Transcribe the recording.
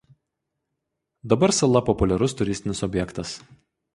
Dabar sala populiarus turistinis objektas.